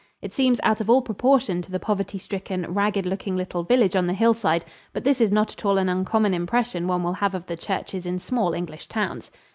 It seems out of all proportion to the poverty stricken, ragged looking little village on the hillside, but this is not at all an uncommon impression one will have of the churches in small English towns.